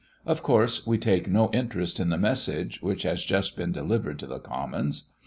Of course we take no interest in the message which has just been delivered to the Commons.